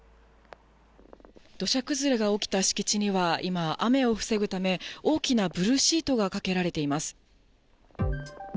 土砂崩れが起きた敷地には、今、雨を防ぐため、大きなブルーシートがかけられています。